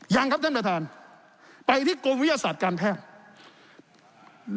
ยังครับท่านประธานไปที่กรมวิทยาศาสตร์การแพทย์